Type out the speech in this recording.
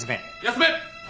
休め！